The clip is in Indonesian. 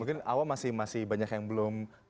mungkin awam masih banyak yang belum